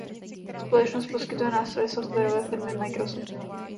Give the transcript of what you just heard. Společnost poskytuje nástroje softwarové firmy Microsoft.